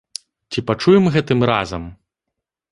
Ці пачуем гэтым разам?